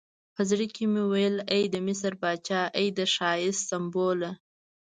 په زړه کې مې ویل ای د مصر پاچا، ای د ښایست سمبوله.